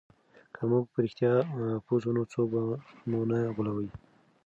که موږ په رښتیا پوه سو نو څوک مو نه غولوي.